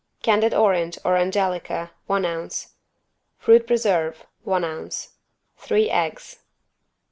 Candied orange or angelica, one ounce. Fruit preserve, one ounce. Three eggs.